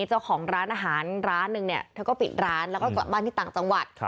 เจ้าของร้านอาหารร้านหนึ่งเนี่ยเธอก็ปิดร้านแล้วก็กลับบ้านที่ต่างจังหวัด